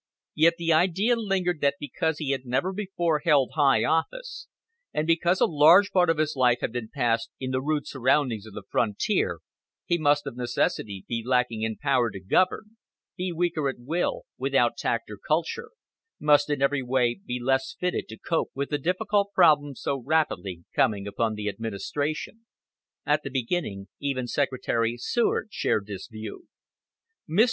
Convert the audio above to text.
Yet the idea lingered that because he had never before held high office, and because a large part of his life had been passed in the rude surroundings of the frontier, he must of necessity be lacking in power to govern be weaker in will, without tact or culture must in every way be less fitted to cope with the difficult problems so rapidly coming upon the administration. At the beginning even Secretary Seward shared this view. Mr.